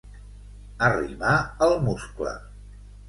Arrimar el muscle.